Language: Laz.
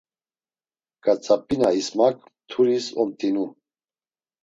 Ǩatzap̌ina İsmak mturis omt̆inu.